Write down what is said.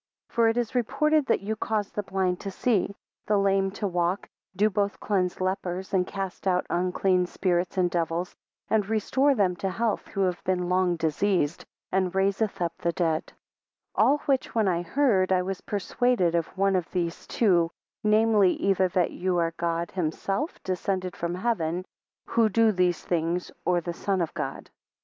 3 For it is reported, that you cause the blind to see, the lame to walk, do both cleanse lepers, and cast out unclean spirits and devils, and restore them to health who have been long diseased; and raiseth up the dead; 4 All which when I heard, I was persuaded of one of these two, namely, either that you are God himself descended from heaven; who do these things, or the Son of God.